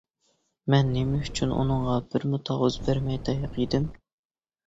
مەن نېمە ئۈچۈن ئۇنىڭغا بىرمۇ تاۋۇز بەرمەي تاياق يېدىم.